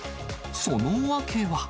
その訳は。